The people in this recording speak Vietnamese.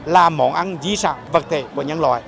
là món ăn di sản vật thể của nhân loại